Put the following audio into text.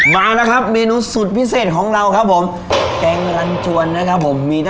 มาแล้วครับเมนูสุดพิเศษของเราครับผมแกงรันชวนนะครับผมมีแต่